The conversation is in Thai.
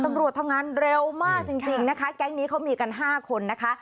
ตำรวจทำงานเร็วมากจริงจริงนะคะแก๊งนี้เขามีกัน๕คนนะคะ